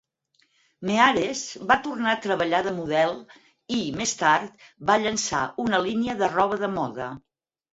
Meares va tornar a treballar de model i, més tard, va llançar una línia de roba de moda.